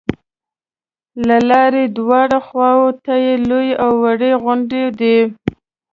د لارې دواړو خواو ته لویې او وړې غونډې دي.